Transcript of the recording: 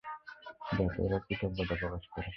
যাতে ওরা কৃতজ্ঞতা প্রকাশ করে।